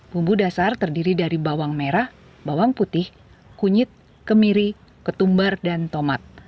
bumbu dasar terdiri dari bawang merah bawang putih kunyit kemiri ketumbar dan tomat